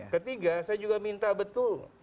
ketiga saya juga minta betul